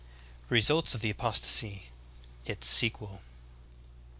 RESULTS OF THE APOSTASY. — ITS SEQUEL.